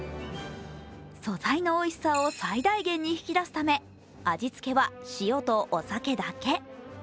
素材のおいしさを最大限に引き出すため味付けは塩とお酒だけ。